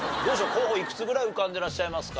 候補いくつぐらい浮かんでらっしゃいますか？